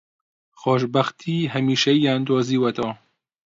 خۆشبەختیی هەمیشەییان دۆزیوەتەوە